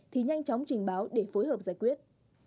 thì nhanh chóng trình báo để phối hợp giải quyết